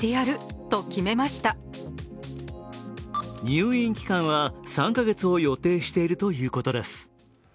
入院期間は３カ月を予定しているということです。